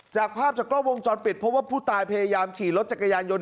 จากภาพจากกล้องวงจรปิดเพราะว่าผู้ตายพยายามขี่รถจักรยานยนต